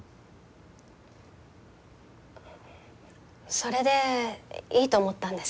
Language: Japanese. それでいいと思ったんです。